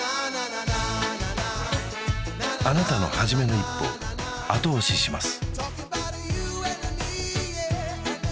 あなたのはじめの一歩を後押しします